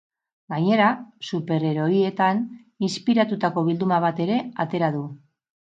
Gainera, superheroietan inspiratutako bilduma bat ere atera du.